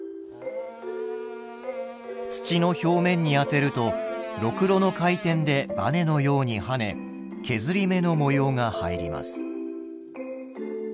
土の表面に当てるとろくろの回転でバネのように跳ね削り目の模様が入ります。